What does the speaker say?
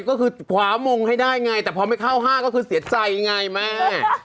ก็คือคว้ามงให้ได้ไงแต่พอไม่เข้า๕ก็คือเสียใจไงแม่